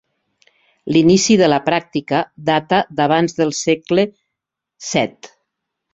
L'inici de la pràctica data d'abans del segle VII.